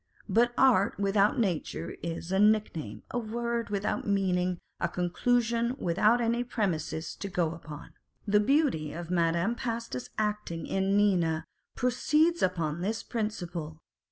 But art without nature is a nickname, a word without meaning, a conclusion without any premises to go 4 â€¢ 2 Scott, Racine, and Shakespeare. upon. The beauty of Madame Pasta's acting in Nina proceeds upon this principle.